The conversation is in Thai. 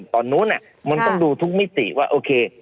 ตอนนู้นมันต้องดูทุกมิติว่าโอเค